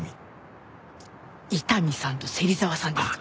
伊丹さんと芹沢さんですか？